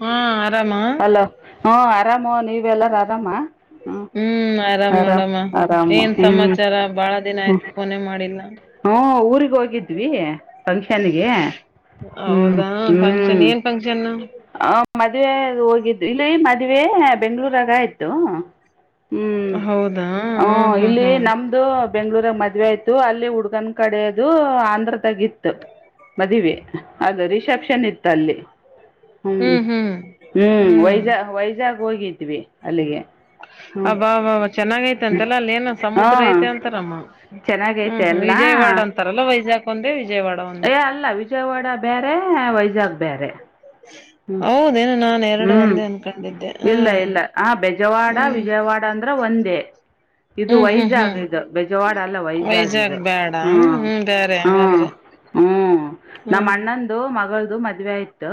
ಹಾ ಆರಾಮ ಅಲೋ ಹ್ಮ ಆರಾಮ ನೀವೆ ಎಲ್ಲಾರೂ ಆರಾಮ ಹ್ಞೂ ಹ್ಮ್ ಆರಾಮ್ ನೋಡಮ್ಮ ಆರಾಮು ಏನ್ ಹ್ಞೂ ಸಮಾಚಾರ ಬಾಳ ದಿನ ಆಯ್ತು ಫೋನೇ ಮಾಡಿಲ್ಲ ಹ್ಮ ಊಗ್ ಹೋಗಿದ್ವಿ ಫಂಕ್ಷನ್ಗೆ ಹ್ಮ್ ಹೌದಾ ಫಂಕ್ಷನ್ ಹ್ಮ್ ಏನ್ ಫಂಕ್ಷನ್ ಹ ಮದ್ವೆ ಹೋಗಿದ್ದು ಇಲ್ಲಿ ಮದ್ವೆ ಬೆಂಗ್ಳೂರಾಗ ಆಯ್ತು ಹ್ಮ್ ಹೌದಾ ಹ ಹ್ಮ್ ಇಲ್ಲಿ ಹ್ಮ್ ನಮ್ದು ಬೆಂಗ್ಳೂರಾಗ ಮದ್ವೆ ಆಯ್ತು ಅಲ್ಲಿ ಹುಡ್ ಹುಡುಗುನ್ ಕಡೆದು ಆಂಧ್ರದ ಗಿತ್ತು ಮದುವೆ ಅದು ರಿಸೆಪ್ಷನ್ ಇತ್ತು ಅಲ್ಲಿ ಹ್ಮ್ ಹ್ಮ್ ವೈಜಾ ವೈಜಾಗ್ ಹೋಗಿದ್ವಿ ಅಲ್ಲಿಗೆ ಅಬ್ಬ ಅಬ್ಬ ಚೆನ್ನಾಗೈತ ಅಂತೆಲ್ಲ ಅಲ್ಲಿ ಏನ ಸಮುದ್ರ ಹಾಂ ಐತೆ ಅಂತಾರಮ್ಮ ಚೆನ್ನಾಗೈತೆ ಹ್ಮ್ ಎಲ್ಲ ವಿಜಯವಾಡ ಅಂತಾರಲ್ಲ ಪೈಸಾಕಂದ್ರ ಏ ಅಲ್ಲ ವಿಜಯವಾಡ ಬೇರೆ ವೈಜಾಗ್ ಬೇರೆ ಹೌದೇನ ನಾ ಹ್ಮ್ ಇಲ್ಲ ಇಲ್ಲ ಆ ಬೆಜವಾಡ ಹ್ಮ್ ವಿಜಯವಾಡ ಅಂದ್ರೆ ಒಂದೇ ಇದು ಹ್ಮ್ ಹ್ಮ್ ವೈಜಾಗ ಹ್ಮ್ ಇದು ಬಜವಾಡ ಎಲ್ಲ ವೈಜಾಗ್ ಇದು ಬೇಡ ಹ್ಮ್ ಬೇರೆ ಹ್ಮ ಹಂಗಾದ್ರೆ ಹ್ಮ್ ನಮ್ಮ ಹ್ಮ್ ಅಣ್ಣಂದು ಮಗಳ್ದ ಮದ್ವೆ ಆಯತ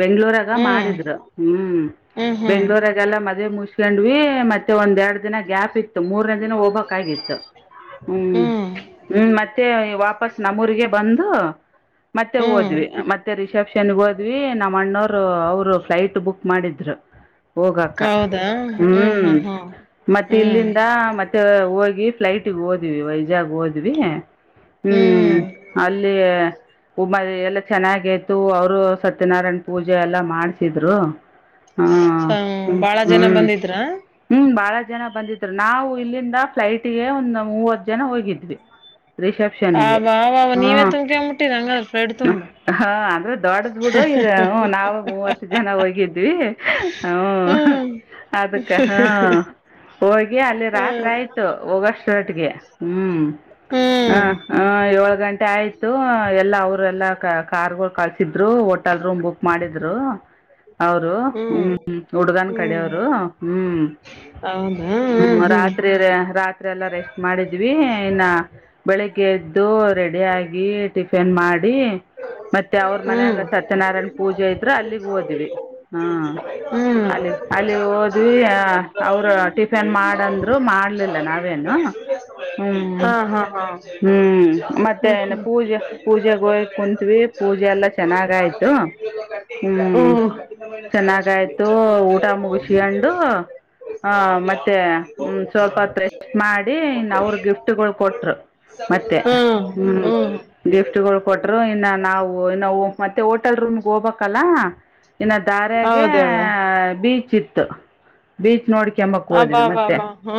ಬೆಂಗ್ಳೂರಾಗ ಹ್ಮ್ ಮಾಡಿದ್ ಹ್ಮ್ ಹ್ಮ್ ಹ್ಮ್ ಬೆಂಗ್ಳೂರಾಗಲ್ಲ ಮದ್ೆ ಮುಚ್ಕಂಡ್ವಿ ಮತ್ತೆ ಒಂದ್ೆರಡ್ ದಿನ ಗ್ಯಾಪ್ ಇತ್ತು ಮೂರನೇ ದಿನ ಹೋಗ್ಕ್ ಆಗಿತ್ತು ಹ್ಮ್ ಹ್ಮ್ ಮತ್ತೆ ವಾಪಸ್ ನಮ್ಮೂರಿಗೆ ಬಂದು ಮತ್ತೆ ಹ್ಮ್ ಓದ್ವಿ ಮತ್ತೆ ರಿಸೆಪ್ಷನ್ಗೆ ಹೋದ್ವಿ ನಮ್ಮ ಅಣ್ಣೋರು ಅವರು ಫ್ಲೈಟ್ ಬುಕ್ ಮಾಡಿದ್ರು ಹೋಗಕ ಹ್ಮ್ ಮತ್ತೆ ಹ್ಮ್ ಇಲ್ಲಿಂದ ಮತ್ತೆ ಹೋಗಿ ಫ್ಲೈಟಿಗೆ ಓದಿವವಿ ವೈಜಾಗ್ ಹಓದ್ವಿ ಹ್ಮ್ ಅಲ್ಲಿ ಮ ಎಲ್ಲ ಚೆನ್ನಾಗಯ್ತು ಅವರು ಸತ್ಯನಾರಾಯಣ ಪೂಜೆ ಎಲ್ಲ ಮಾಡ್ಸಿದ್ರು ಹ್ಮ ಹ್ಮ ಸ- ಬಾಳ ಜನ ಹ್ಮ್ ಬಂದಿದ್ರ ಹ್ಮ್ ಬಾಳ ಜನ ಬಂದಿದ್ರು ನಾವು ಇಲ್ಲಿಂದ ಫ್ಲೈಟ್ಗೆ ಒಂದು ಮೂವತ್ತು ಜನ ಹೋಗಿದ್ವಿ ಆ ರಿಸೆಪ್ಷನ್ಗೆ ಬಾವ ನೀವೇ ತುಂಬ್ಕಂಬಿಟ್ಟಿರ ಹಂಗಾದ್ರ ಫ್ಲಡ್ ತುಂಬ ಹಾ ಹ ದೊಡ್ಡದ ಹಡ ಇದೆ ನಾವ ಮೂವತ್ ಜನ ಹೋಗಿದ್ವಿ ಹ ಹ್ಮ್ ಅದಕ್ಕ ಹಾ ಹೋಗಿ ಅಲ್ಲಿ ರಾತ್ ಹ್ಮ್ ಆಯ್ತು ಹೋಗಷ್ಟೊಟ್ಟಿಗೆ ಹ್ಮ್ ಹ ಹ್ಮ್ ಹ ಏಳ್ ಗಂಟೆ ಆಯ್ತು ಎಲ್ಲಾ ಅವ್ರಲ್ಲಾ ಕಾರ್ ಕಳ್ಸಿದ್ರು ಹೋಟೆಲ್ ರೂಮ್ ಬುಕ್ ಮಾಡಿದ್ರು ಅವರು ಹ್ಮ್ ಹುಡುಗನ್ ಕಡೆ ಹ್ಮ್ ಅವರು ಹ್ಮ್ ಹೌದಾ ಹ್ಮ್ ರಾತ್ರಿರೆ ರಾತ್ರಿ ಎಲ್ಲ ರೆಸ್ಟ್ ಮಾಡಿದ್ವಿ ಇನ್ನು ಬೆಳಗ್ಗೆ ಎದ್ದು ರೆಡಿಯಾಗಿ ಟಿಫಿನ್ ಮಾಡಿ ಮಾಡಿ ಮತ್ತೆ ಅವ್ರ ಹ್ಮ್ ಮನಯಾಗ ಸತ್ಯನಾರಾಯಣ ಪೂಜೆ ಇದ್ರರು ಅಲ್ಲಿಗ್ ಹಓದ ಹಾ ಅಲ್ಲಿ ಅಲ್ಲಿ ಹೊದ್ವಿ ಅವರು ಟಿಫನ್ ಮಾಡಂದ್ರು ಮಾಡ್ಲಿಲ್ಲ ನಾನು ಏನು ಹ್ಮ್ ಹ್ಮ್ ಮತ್ತೆ ಪೂಜೆ ಪೂಜೆಗ್ ಕುತ್ವಿ ಪೂಜೆ ಎಲ್ಲಾ ಚೆನ್ನಾಗಯ್ತು ಊಟ ಮುಗಿಸ್ಕೊಂಡು ಆ ಹ್ಮ್ ಮತ್ತೆ ಹ್ಮ ಸ್ವಲ್ಪತ್ ರೆಸ್ಟ್ ಮಾಡಿ ನಾವು ಗಿಫ್ಟ್ ಗಳು ಕೊಟ್ರು ಮತ್ತೆ ಹ್ಮ್ ಗಿಫ್ಟ ಗಳು ಕೊಟ್ಟರು ಇನ್ನ ನಾವು ಇನ್ನು ಮತ್ತೆ ಹೋಟೆಲ್ ರೂಮ್ಗೆ ಹೋಗಬೇಕಲ್ಲ ಇನ್ನು ದಾರಾಗೆ ಹೌದಳ ಬೀಚ್ ಇತ್ತು ಬೀಚ್ ನೋಡ್ ಕೆಮ್ಮಕ್ ಹೋದ್ವಿ ಮತ್ತೆ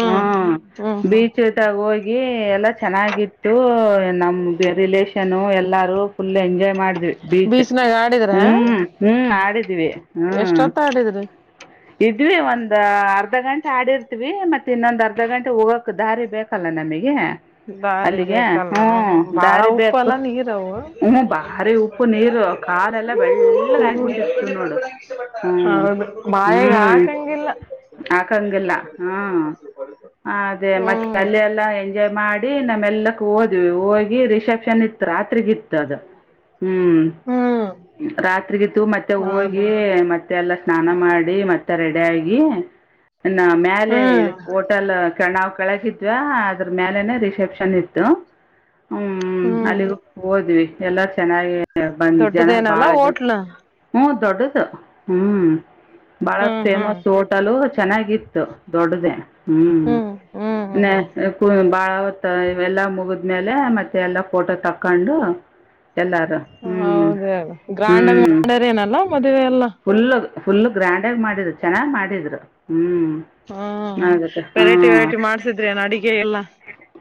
ಹ್ಮ್ ಹ್ಮ್ ಹ್ಮ್ ಬೀಚ್ ತಾಗ ಹೋಗಿ ಎಲ್ಲಾ ಚೆನ್ನಾಗಿತ್ತು ನಮ್ ರಿಲಷನ್ನು ಎಲ್ಲ ಎಲ್ಲಾರು ಫುಲ್ ಎಂಜಾಯ್ ಮಾಡಿದ್ವಿ ಬೀಚ್ ಬೀಚ್ನಾಗ ಆಡಿದ್ರ ಹ್ಮ್ ಹ್ಮ್ ಆಡಿದ್ವಿ ಹ್ಮ ಎಷ್ಟೊತ್ತ ಆಡಿದ್ರಿ [unintelligible] ಇದ್ವಿ ಒಂದ್ ಅರ್ಧ ಗಂಟೆ ಆಡಿರ್ತಿವಿ ಮತ್ತೆ ಇನ್ನೊಂದು ಅರ್ಧ ಗಂಟೆ ಹೋಗೋಕ್ ದಾರಿ ಬೇಕಲ್ಲ ನಮಗೆ ದಾರಿ ಅಲ್ಲಿಗೆ ಬೇಕಲ್ಲ ಹ್ಮ್ ಬಾಳ ದಾರಿ ಉಪ್ಪ ಬೇಕು ಅಲ್ಲ ನೀರವು ಹೌದು ಹ್ಮ್ ಭಾರಿ ಉಪ್ಪು ನೀರು ಕಾಲೆಲ್ಲ ಬೆಳ್ಳಗ್ ಆಗ್ಬಿಟ್ಟಿತ್ತು ನೋಡು ಹ್ಮ್ ಹೌದು ಮಾಯಗ ಹ್ಮ್ ಆಕಂಗಿಲ್ಲ ಹಾಕಂಗಿಲ್ಲ ಹ್ಮ ಅದೇ ಮತ್ತೆ ಹ್ಮ್ ಅಲ್ಲಿ ಎಲ್ಲ [unintelligible] ಮಾಡಿ ನಮ್ ಏಲ್ಲಕ್ಕ ಹೋದ್ವಿ ಹೋಗಿ ರಿಸೆಪ್ಷನ್ ಇತ್ತು ರಾತ್ರಿಗಿತ್ತು ಅದು ಹ್ಮ್ ಹ್ಮ್ ರಾತ್ರಿಗಿತ್ತು ಮತ್ತೆ ಹೋಗಿ ಹೌದಾ ಮತ್ತೆ ಎಲ್ಲ ಸ್ನಾನ ಮಾಡಿ ಮತ್ತೆ ರೆಡಿ ಆಗಿ ಮೇಲೆ ಹ್ಮ್ ಹೋಟೆಲ್ ನಾವ್ ಕೆಳಗಿದ್ವಾ ಅದ್ರ ಮೇಲೆನೆ ರಿಸೆಪ್ಷನ್ ಇತ್ತು ಹ್ಮ್ ಹ್ಮ್ ಅಲ್ಲಿಗೂ ಹೋದ್ವಿ ಎಲ್ಲಾ ಚೆನ್ನಾಗಿ ಬಂದ ಜನರು ದೊಡ್ಡದೇನಲ್ಲ ಬಾಳ ಜನ ಹೋಟ್ಲ್ ಹ್ಮ ದೊಡ್ಡದು ಹ್ಮ್ ಬಹಳ ಹ್ಮ್ ಹ್ಮ್ ಫೇಮಸ್ ಹೋಟಲು ಚೆನ್ನಾಗಿತ್ತು ದೊಡ್ಡದೇ ಹ್ಮ್ ಹ್ಮ್ ಹ್ಮ್ ಹ್ಮ್ [unintelligible] ಬಾಳ ಅವತ್ ಎಲ್ಲಾ ಮುಗಿದ್ಮೇಲೆ ಮತ್ತೆ ಎಲ್ಲಾ ಫೋಟೋ ತಕ್ಕೊಂಡು ಎಲ್ಲರೂ ಹ್ಞೂ ಹೌದ ಗ್ರ್ಯಾಂಡ್ಅಗ ಹ್ಞೂ ಮಾಡ್ಯಾರ ಏನಲ್ಲ ಮದ್ವೆ ಎಲ್ಲ ಫುಲ್ ಫುಲ್ ಗ್ರ್ಯಾಂಡಾಗ ಮಾಡಿದ್ರು ಚೆನ್ನಾಗ್ ಮಾಡಿದ್ರು ಹ್ಮ್ ಹ್ಮ್ ವೆರೈಟಿ ವೆರೈಟಿ ಮಾಡ್ಸಿದ್ರೆನ್ ಅಡಿಗೆ ಎಲ್ಲ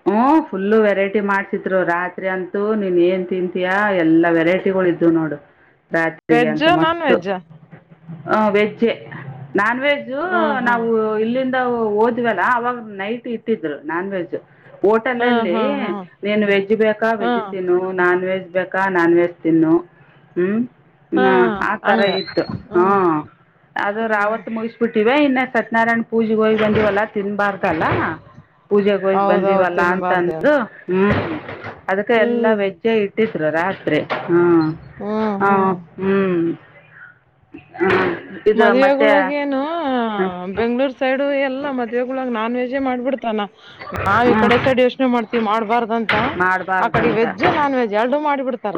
ಹ್ಮ ಫುಲ್ಲು ವೆರೈಟಿ ಮಾಡ್ಸಿದ್ರು ರಾತ್ರಿ ಅಂತೂ ನೀನ್ ಏನ್ ತಿಂತೀಯಾ ಎಲ್ಲ ವೆರೈಟಿಗಳು ಇದ್ವು ನೋಡು ರಾತ್ರಿಗೆ ವೆಜ್ಜ ಅಂತ ನಾನ್ ಮಸ್ತ್ ವೆಜ್ಜ ಹ ವೆಜ್ಜೆ ನಾನ್ ವೆಜ್ಜ್ ಹ್ಮ್ ಹ್ಮ್ ನಾವು ಇಲ್ಲಿಂದ ಇಲ್ಲಿಂದ ಹೊದ್ವಿ ಅಲ್ಲ ಅವಾಗ ನೈಟ್ ಇಟ್ಟಿದ್ರು ನಾನ್ ವೆಜ್ ಹ್ಮ್ ಹೋಟೆಲ್ನಲ್ಲಿ ಹ್ಮ್ ಹ್ಮ್ ನೀನು ವೆಜ್ ಬೇಕಾ ಹ್ಮ್ ವೆಜ್ಜ್ ತಿನ್ನು ನಾನ್ ವೆಜ್ ಬೇಕಾ ನಾನ್ ವೆಜ್ ತಿನ್ನು ಹ್ಮ ಹ್ಮ್ ಹ ತರ ಹಂಗ ಇತ್ತು ಹ್ಮ್ ಹ್ಮಅದು ಹ್ಮ್ ರಾವತ್ ಮುಗಿಸ್ಬಿಟ್ಟಿ ವೆ ಇನ್ನ ಸತ್ಯನಾರಾಯಣ್ ಪೂಜೆಗ ಹೋಗ್ ಬಂದಿವವಲ್ಲಾ ತಿನ್ಬಾರ್ದಲ್ಲ ಪೂಜೆಗೆ ಹೋಗಿ ಹೌದೌದು ಬಂದೀವಲ್ಲ ಅಂತ ತಿನ್ಬಾರ್ದ ಅಂದು ಹ್ಮ್ ಅದಕ್ಕೆ ಎಲ್ಲಾ ಹ್ಮ್ ವೆಜ್ಜೆ ಇಟ್ಟಿದ್ರು ರಾತ್ರಿ ಹ್ಮ್ ಹ್ಮ್ ಹ ಹ್ಮ್ ಹ್ಮ್ ಹ್ಮ ಮತ್ತೆ ಮದ್ವೆಗೊಳಗ ಏನು ಬೆಂಗ್ಳೂರ್ ಸೈಡು ಎಲ್ಲ ಮದ್ವೆಗೊಳ ನಾನ್ ವೆಜ್ಜೇ ಮಾಡ್ಬಿಡ್ [unintelligible] ನಾವ್ ಈ ಹ್ಮ್ ಕಡೆ ಸೈಡ್ ಯೋಚನೆ ಮಾಡ್ತೀವಿ ಮಾಡ್ಬಾರ್ದಂತ ಹ ಆಕಡೆ ಮಾಡಬಾರ್ದಂತ ವೆಜ್ಜು ನಾನ್ ವೆಜ್ ಎಲ್ಡೂ ಮಾಡಿ ಬಿಡ್ತಾರ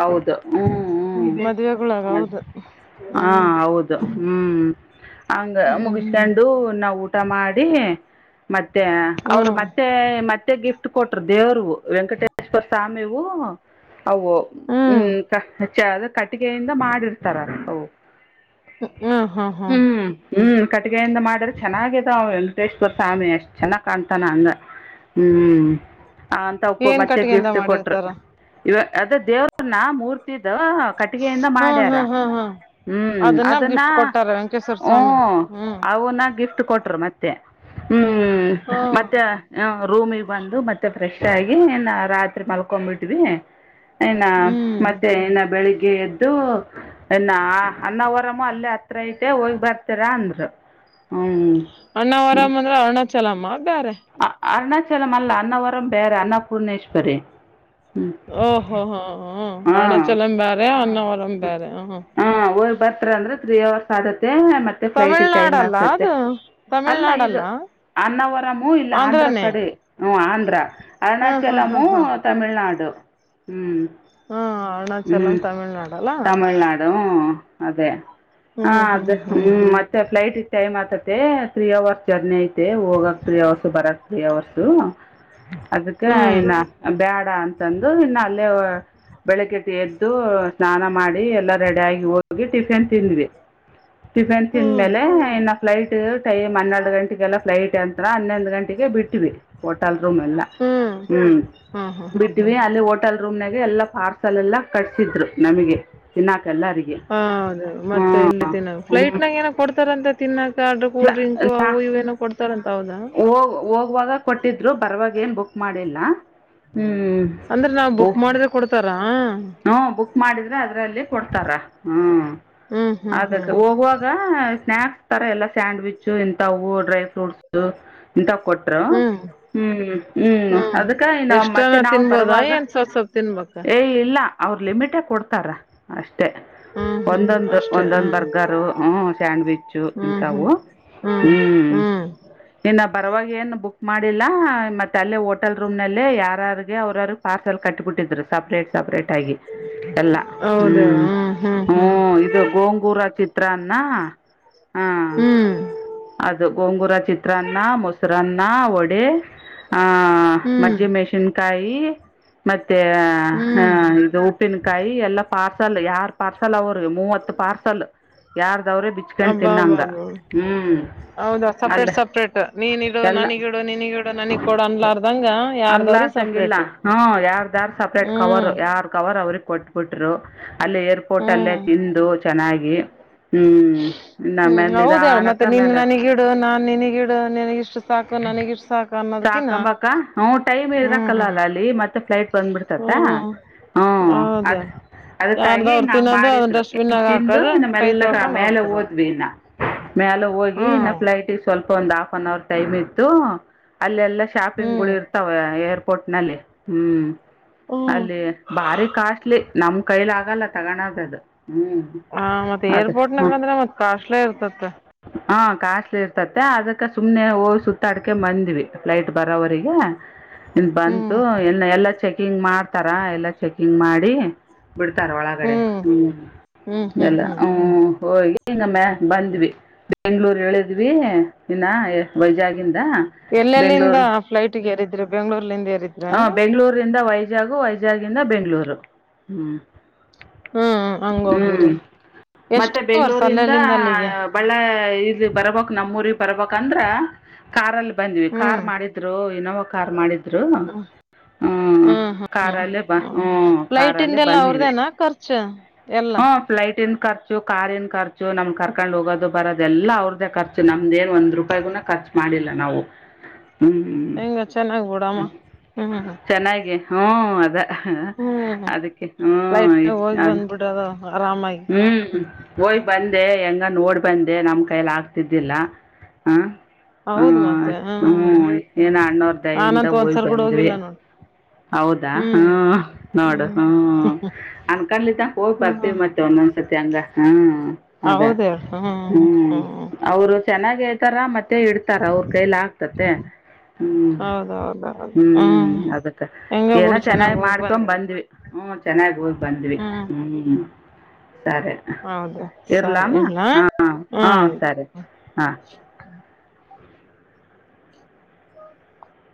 ಹೌದು ಹ್ಮ್ ಮದ್ವೆಗಳಾಗ ಹ್ಮ್ ಹೌದು ಹ ಹ್ಮ್ ಹೌದು ಹ್ಮ್ ಹಂಗ ಹ್ಮ್ ಮುಗಿಸ್ಕೊಂಡು ನಾವು ಊಟ ಮಾಡಿ ಮತ್ತೆ ಮತ್ತೆ ಅವರು ಹ್ಮ್ ಮತ್ತೆ ಮತ್ತೆ ಗಿಫ್ಟ್ ಕೊಟ್ಟರು ದೇವರು ವೆಂಕಟೇಶ್ವರ ಸ್ವಾಮಿವು ಅವು ಹ್ಮ್ [unintelligible] ಕಟ್ಟಿಗೆಯಿಂದ ಮಾಡಿರ್ತಾರ ಅವು ಹ್ಮ ಹ್ಮ್ ಹ್ಮ್ ಕಟ್ಟಿಗೆಯಿಂದ ಮಾಡಿದ್ರೆ ಚೆನ್ನಾಗಿದ ವೆಂಕಟೇಶ್ವರ ಸ್ವಾಮಿ ಅಷ್ಟ್ ಚೆನ್ನಾಗಿ ಕಾಣ್ತಾನ ಹಂಗ. ಹ್ಮ್ ಅಂತವ್ವಕ್ ಏನ್ ಮತ್ತೆ ಕಟ್ಗೆಯಿಂದ ಗಿಫ್ಟ್ ಕೊಟ್ರ ಮಾಡಿರ್ತಾರ ಇವ ಅದ ದೇವ್ರನ ಮೂರ್ತಿದ ಕಟ್ಟಿಗೆಯಿಂದ ಹಾ ಮಾಡ್ಯಾರ. ಹಾ ಹಾ ಹಾ ಹ್ಮ್ ಅದನ್ನ ಗಿಫ್ಟ್ ಕೊಟ್ಟಾರ ವೆಂಕಟೇಶ್ವರ ಹ ಸ್ವಾಮಿನ ಹ್ಮ್ ಅವನ್ನ ಗಿಫ್ಟ್ ಕೊಟ್ರ ಮತ್ತೆ. ತ್ತೆ ಹ್ಮ್ ಹಾ ಮತ್ತೆ ರೂಮಿಗೆ ಬಂದು ಮತ್ತೆ ಫ್ರೆಶ್ ಆಗಿ ರಾತ್ರಿ ಮಲ್ಕೊಂಡ್ಬಿಟ್ವಿ ಇನ್ನ ಹ್ಮ್ ಮತ್ತೆ ಇನ್ನ ಬೆಳಿಗ್ಗೆ ಬೆಳಿಗ್ಗೆ ಎದ್ದು ನ ಅನ್ನವರಮ್ಮ ಅಲ್ಲೇ ಹತ್ರ ಐತೆ ಹೋಗಿ ಬರ್ತೀರಾ ಅಂದ್ರು. ಹ್ಮ್ ಅನ್ನವರಮ್ಮ ಅಂದ್ರೆ ಅರುಣಾಚಲಮ್ಮ ಬೇರೆ ಅರುಣಾಚಲಮ್ಮ ಅಲ್ಲ ಅನ್ನವರಂ ಬೇರೆ ಅನ್ನಪೂರ್ಣೇಶ್ವರಿ. ಹ್ಮ್ ಓಹೋ ಹೋ ಹ ಹಾ ಅರುಣಾಚಲಮ್ಮ ಬೇರೇ ಅನ್ನವರಮ್ಮ ಹಾ ಹೋಗಿ ಬರ್ತೀರಾ ಅಂದ್ರೆ ತ್ರೀ ಹವರ್ಸ್ ಆಗತ್ತ. ಮತ್ತೆ ಫ್ಲೈಟ್ಗೆ ಟೈಮ್ ತಮಿಳ್ನಾಡಲ್ಲ ಅಗತೈತಿ ಅದು ಅಲ್ಲ ಇದು ತಮಿಳ್ನಾಡಲ್ಲ ಅನ್ನಾವರಮ್ಮು ಇಲ್ಲ ಆಂಧ್ರ ಆಂಧ್ರನೇ ಕಡೆ ಹ ಆಂಧ್ರ ಹಾ ಹಾ ಹಾ ಅರುಣಾಚಲಮ್ಮು ಹಾ ತಮಿಳ್ನಾಡು. ಹ್ಮ್. ಹ್ಮ್ ಅರುಣಾಚಲಂ ತಮಿಳ್ನಾಡು. ತಮಿಳ್ನಾಡು ಅದೇ ಹ ಅದ ಹ್ಮ್ ಮತ್ತೆ ಫ್ಲೈಟ್ ಇತ್ತು ಟೈಮ್ ಆತತೆ ತ್ರೀ ಅವರ್ಸ್ ಜರ್ನಿ ಐತೆ ಹೋಗಕ್ ತ್ರೀ ಅವರ್ಸ್ ಬರಕ್ ತ್ರ್ರೀ ಅವರ್ಸ್ ಅದಕ್ಕ ಹ್ಮ್ ಏನ ಬ್ಯಾಡ ಅಂತ ತಂದು ಇನ್ನು ಅಲ್ಲೇ ಬೆಳಿಗ್ಗ ಎದ್ದು ಸ್ನಾನ ಮಾಡಿ ಎಲ್ಲ ರೆಡಿಯಾಗಿ ಹೋಗಿ ಟಿಫಿನ್ ತಿಂದ್ವಿ. ಟಿಫಿನ್ ಹ್ಮ್ ತಿಂದ್ಮೇಲೆ ಫ್ಲೈಟ್ ಟೈಮ್ ಹನ್ನೆರಡು ಗಂಟೆಗೆಲ್ಲ ಫ್ಲೈಟ್ ಅಂತತ್ರ ಹನ್ನೊಂದು ಗಂಟೆಗೆ ಬಿಟ್ವಿ. ರೂಮ್ ಎಲ್ಲ ಹ್ಮ್ ಹಾ ಹಾ ಹಾ ಹಾ ಬಿಟ್ಟೀವಿ ಅಲ್ಲಿ ಹೋಟೆಲ್ ರೂಮ್ ನಾಗ ಎಲ್ಲ ಪಾರ್ಸಲ್ ಎಲ್ಲ ಕಳ್ಸಿದ್ರು. ನಮಗೆ ತಿನ್ನಾಕ ಎಲ್ಲರಿಗೆ ಹೌದು ಹಾ ಮತ್ತೆ ಇಲ್ಲಿ ತಿನ್ನ ಹ್ಮ. ಫ್ಲೈಟ್ನಾಗ ಏನೋ ಕೊಡ್ತಾರಂತ ತಿನ್ನಾಕ ಆಡ್ರ ಕೂಲ್ ಡ್ರಿಂಕು ಅವು [unintelligible] ಇವೇನೋ ಕೊಡ್ತಾರಂತ ಹೌದಾ ಹೋಗ ಹೋಗುವಾಗ ಕೊಟ್ಟಿದ್ರು ಬರವಾಗಿ ಏನ್ ಬುಕ್ ಮಾಡಿ ಇಲ್ಲ ಅಂದ್ರೆ ನಾವ್ ಹ್ಮ ಬುಕ್ ಮಾಡಿದ್ರೆ ಕೊಡ್ತಾರಾ ಹು ಬುಕ್ ಮಾಡಿದ್ರೆ ಅದ್ರಲ್ಲಿ ಕೊಡ್ತಾರ ಹ್ಮ್. ಹ್ಮ್ ಹ್ಮ್ ಅದಕ್ಕೆ ಹ್ಮ್ ಹೋಗುವಾಗ ಸ್ನಾಯಕ್ಸ್ ತರ ಎಲ್ಲ ಸ್ಯಾಂಡ್ವಿಚ್ ಇಂಥವು ಡ್ರೈ ಫ್ರೂಟ್ಸ್ ಇಂಥ ಕೊಟ್ಟರು. ಹ್ಮ್ ಹ್ಮ್ ಹ್ಮ್ ಅದಕ್ಕೆ ಇನ್ನು ಎಷ್ಟನ ಮತ್ತೆ ನಾವು ತಿನ್ಬೋದಾ ಬರುವಾಗ ಏನ್ ಸ್ವಲ್ ಸ್ವಲ್ಪ ತಿನ್ಬೇಕ ಏ ಇಲ್ಲ. ಅವ್ರು ಲಿಮಿಟೇ ಕೊಡ್ತಾರ ಅಷ್ಟ. ಹ್ಮ್ ಹ್ಮ್ ಒಂದೊಂದು ಅಷ್ಟೇ ಒಂದೊಂದು ಹ್ಮ್ ಬರ್ಗರು ಹ್ಮ ಸ್ಯಾಂಡ್ವಿಚ್ ಹ್ಮ್ ಇಂತವು - ಹ್ಮ್ ಇನ್ನ ಬರವಾಗಿ ಏನು ಬುಕ್ ಮಾಡಿಲ್ಲ ಮತ್ತೆ ಅಲ್ಲೆ ಹೋಟೆಲ್ ರೂಮ್ ನಲ್ಲಿ ಯಾರಾರಿಗೆ ಅವ್ರ ಪಾರ್ಸೆಲ್ ಕಟ್ಟಿಬಿಟ್ಟ ಟ್ಟಿದ್ರು ಸಪರೇಟ್ ಸಪರೇಟ್ ಆಗಿ. ಎಲ್ಲ ಹೌದ ಹ್ಮ್ ಹ್ಮ್ ಹ್ಮ ಹ್ಮ್ ಇದು ಗೋಂಗೂರ ಚಿತ್ರಾನ್ನ. ಹಾ ಹ್ಮ್ ಅದು ಗೋಂಗೂರ ಚಿತ್ರಾನ್ನ ಮೊಸರನ್ನ ಅನ್ನ ವಡೆ ಆ ಹ್ಮ್ ಹ್ಮ್ ಮಜ್ಜ ಮೆಣಸನ್ಕಾಯಿ ಮತ್ತೆ ಮತ್ತ ಹ ಹ್ಮ್ ಇದು ಉಪ್ಪಿನಕಾಯಿ ಎಲ್ಲ ಪಾರ್ಸಲ್ ಯಾಡ್ ಪಾರ್ಸಲ್ ಅವತ್ತ ಮೂವತ್ತು ಪಾರ್ಸಲ್ ಯಾರ್ದವ್ರೆ ಬಿಚ್ಕೊಂಡ್ ಅಬ್ಬಾ ಅಬ್ಬಾ ತಿನ್ನಂಗ ಅಬ್ಬಾ ಹ್ಮ್. ಹೌದಾ ಅಲ್ಲ ಸಪ್ರೇಟ್ ಸಪ್ರೇಟ್ ನೀನ್ ಇಡು ಎಲ್ಲ ನನಗಿಡು ನಿನಗೀಡು ನನಗ್ ಕೊಡು ಅನ್ಲಾರ್ದಂಗ ಯಾರ್ದವ್ರಿ ಗಿಲ್ಲ ಸಪ್ರೇಟ್ ಹ ಯಾರ್ದ ಯಾರ್ದ ಸಪ್ರೇಟ್ ಕವರ್ ಹ್ಮ್ ಯಾರ ಕವರ್ ಅವ್ರಿಗ - ಕೊಟ್ಬಿಟ್ರು ಅಲ್ಲಿ ಏರ್ಪೋರ್ಟ್ ಅಲ್ಲೇ ಹ್ಮ್ ತಿಂದು ಚೆನ್ನಾಗಿ ಹ್ಮ್ ಹ್ಮ್ ಇಮ್ಮೇಲೆ ಹೌದ ಹೇಳ ಮತ್ತೆ ನೀನ್ ನಿಧಾನಕ್ಕಮೇಲೆ ನನಗಿಡು ನಾನ್ ನಿನಗಿಡು ನಿನಗಿಷ್ಟು ಸಾಕು ನನಗಿಷ್ಟು ಸಾಕು ಅನ್ನೋದ್ಕಿನ ಸಾಕಂಬಕ್ಕ ಹ್ಮ ಟೈಮ್ ಹ್ಮ್ ಇರ್ರಕಲ್ಲ ಅಲ್ಲ ಅಲ್ಲಿ ಮತ್ತೆ ಫ್ಲೈಟ್ ಬಂದ್ಬಿಡ್ತತ್ತ. ಹ್ಞೂ [unintelligible] ಅದು ಅದಕ್ಕಾಗಿ ಯಾರ್ದವ್ರರು ನಾವು ತಿನ್ನೋದು ಅದ್ ಮಾಡಿದ್ರು ಏನು ಡಸ್ಟ್ಬಿನ್ಯಾಗ ತಿಂದು ಹಾಕದು ಇನ್ನು ಕೈ ತೊಳ್ಕೊಂಡ್ ಹೋಗ್ತಿರದು. ಮ್ಯಾಲ ಹೋಗಿ ಇನ್ನು ಫ್ಲೈಟಿಗೆ ಸ್ವಲ್ಪ ಒಂದು ಆಫ್ ಆನ್ ಅವರ್ ಟೈಮ್ ಇತ್ತು ಅಲ್ಲೆಲ್ಲ ಹ್ಮ್ ಶಾಪಿಂಗ್ಗಳು ಇರ್ತಾವ ಏರ್ಪೋರ್ಟ್ ನಲ್ಲಿ ಹ್ಮ್ ಹ್ಮ್ ಅಲ್ಲಿ ಬಾರಿ ಕಾ ನಮ್ ಕೈಲಿ ಆಗಲ್ಲ ತಗಣದ ಅದು ಹ ಮತ್ತತ್ ಏರ್ಪೋರ್ಟ್ ನಾಗ ಹ್ಞೂ ಅಂದ್ರೆ ಮತ್ ಕಾಸ್ಟ್ಲ ಇರ್ತತ್ತ ಹಾಂ ಕಾಸ್ಟ್ಲಿ ಇರ್ತತೆ ಅದಕ್ಕೆ ಸುಮ್ಮನೆ ಹೋಗಿ ಸುತ್ತಾಡ್ಕೆ ಬಂದ್ವಿ ಫ್ಲೈಟ್ ಬರೋವರಿಗೆ ನಿ ಬಂತು ಹ್ಮ್ ಎಲ್ಲ ಎಲ್ಲ ಚೆಕಿಂಗ್ ಮಾಡ್ತಾರ ಎಲ್ಲ ಚೆಕಿಂಗ್ ಮಾಡಿ ಬಿಡ್ತಾರ ಒಳಗಡೆ ಹ್ಮ್ ಹ್ಮ್ ಹ್ಮ್ ಎಲ್ಲ ಹ್ಮ್ ಹ್ಮ ಹೋಗಿ ಹಂಗಮ್ಮ ಬಂದ್ವಿ ಬೆಂಗ್ಳೂರ್ ಹೇಳಿದ್ವಿ ಇನ್ನ ವೈಜಾಗಿನ್ ಎಲ್ಲೆಲ್ಲಿಂದ ಫ್ಲೈಟ್ ಏರಿದ್ರರು ಬೆಂಗ್ಗಳೂರ್ ಹ ಬೆಂಗ್ಗಳೂರಿಂದ ವೈಜಾಗು ವೈಜಾಗಂದ ಬೆಂಗ್ಳೂರು ಹ್ಮ್ ಹ್ಮ್ ಹಂಗ ಹೋಗಿರಿ ಎಷ್ಟ್ ಮತ್ತೆ ಅವರ್ಸ್ ಬೆಂಗ್ಳೂರಿಂದ ಅಲ್ಲೆಲ್ಲಿಂದ ಅಲ್ಲಿಗೆ ಬಳ್ಳೆ ಇ ಬರ್ಬಕ್ ನಮ್ಮೂಗ್ ಬರ್ಬಂದ್ರ ಕಾರಾರ್ಲ್ಲಿ ಬಂದ್ವಿ ಹ್ಮ್ ಕಾರ್ ಮಾಡಿದ್ರು ಇನೋವಾ ಕಾರ್ ಮಾಡಿದ್ರು ಹಾ ಹ್ಮ್ ಹ್ಮ್ ಹ್ಮ್ ಬ ಹ ಹ್ಞೂ ಫ್ಲೈಟ ಕಾರಲ್ಲೇ ಇಿಂದೆಲ್ಲ ಅವ್ರ್ದೇನಾ ಖರ್ಚ ಎಲ್ಲಾ ಹಫ್ಲೈಟ್ ಎ ಖರ್ಚು ಕಾರಿನ ಖರ್ಚು ನಮ್ ಕರ್ಕೊಂಡ್ ಹೋಗೋದು ಬರದು ಎಲ್ಲ ಅವ್ರದ ಖರ್ಚು ನಮ್ದ ಏನ್ ಒಂದ ರೂಪಾಯಿಗೂ ಖರ್ಚು ಮಾಡಿಲ್ಲ ನಾವು ಹಂಗ ಚೆನ್ನಾಗ್ಬೋ ಹ್ಮ ಚೆನ್ನಾಗಿ ಹ್ಮ ಅದ ಹ ಹ್ಮ್ ಅದಕ್ಕೆ ಹ್ಮ ಫ್ಲೈಟ್ನಾಗ ಹೋಗಿ ಬಂದ್ಬಿಡೋದು ಆರಾಮಾಗಿ ಹ್ಮ್ಯ್ ಬಿ ಂದೆ ಹೆಂಗ ನೋಡ್ ಬಂದೆ ನಮ್ ಕೈಯಲ್ಲಿ ಆಗ್ತಿದ್ದಿಲ್ಲ ಹ್ಮ ಹೌದು ಮತ್ತೆ ಹ್ಮ ಹ್ಮ್ ಏನ ಅಣ್ಣೂರ್ ದೈಿಂದ ನಾನಂತೂ ಹೋೋಗ್ ಒಂದ್ಸರಿ ಕೂಡ ಬಂದ್ವಿ ಹೋಗಿಲ್ಲ ನೋಡು ಹೌದಾ ಹ್ಮ್ ನೋಡು ಹ್ಮ್ ಅನ್ಕಂಡ್ಲಿತ ಹೋಗ್ ಬರ್ತೀವಿ ಹ್ಮ್ ಮತ್ತ ಒಂದೊಂದ್ಸತಿ ಹಂಗ ಹ್ಮ್ ಅದ ಹ್ಮ್ ಅವ್ರು ಚೆನ್ನಾಗ ಇ ತರ ಮತ್ತೆ ಇಡ್ತಾರ ಅವ್ರ ಕೈಲ ಆಗ್ತತೆ ಹ್ಮ್ ಹ್ಮ್ ಅದಕ್ಕ ಹೆಂಗ ಏನೋ ಬಿಡು ಚೆನ್ನಾಗ್ ಚೆನ್ನಾಗಿ ಹೋಗ್ ಮಾಡ್ಕೊ ಬಂದಲ್ಲ ಬಂದ್ವಿ ಹ್ಮ ಚೆನ್ನಾಗಿ ಹೋಗಿ್ ಬಂದ್ವಿ ಹ್ಮ್ ಸರಿ ಹೌದು ಸರಿ ಇರ್ಲಾಮಾ ಇಡ್ಲಾ ಹಾ ಹಾ ಹ್ಮ್ ಸರಿ ಹಾ